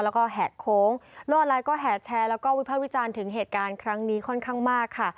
แล้วก็แหกโค้งโลกออนไลน์ก็แห่แชร์แล้วก็วิภาควิจารณ์ถึงเหตุการณ์ครั้งนี้ค่อนข้างมากค่ะ